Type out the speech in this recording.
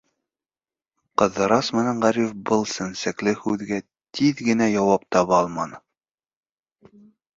Ҡыҙырас менән Ғариф был сәнскеле һүҙгә тиҙ генә яуап таба алманы.